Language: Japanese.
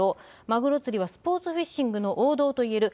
マグロ釣りは、スポーツフィッシングの王道といえる。